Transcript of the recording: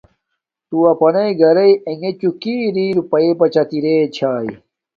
تو اپناݵ گرانݣ اگچوں کی اری روپے بچت اریا۔